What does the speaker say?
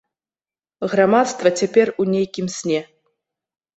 Грамадства цяпер у нейкім сне.